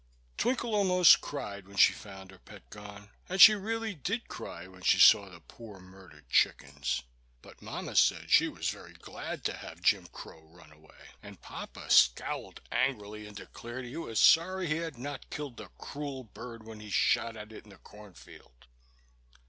Twinkle almost cried when she found her pet gone; and she really did cry when she saw the poor murdered chickens. But mamma said she was very glad to have Jim Crow run away, and papa scowled angrily and declared he was sorry he had not killed the cruel bird when he shot at it in the corn field.